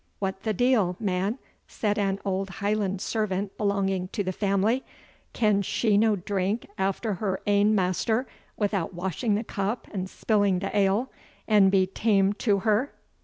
"What the deil, man," said an old Highland servant belonging to the family, "can she no drink after her ain master without washing the cup and spilling the ale, and be tamned to her!"